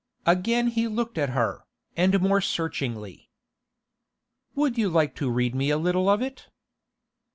Again he looked at her, and more searchingly. 'Would you like to read me a little of it?